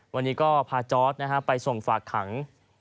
วันนี้ก็พาจอร์ดไปส่งฝากขัง